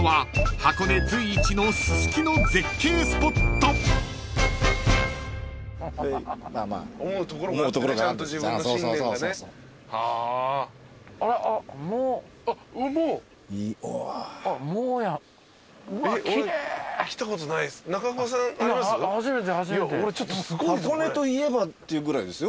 箱根といえばっていうぐらいですよ。